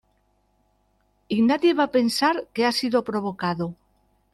y nadie va a pensar que ha sido provocado.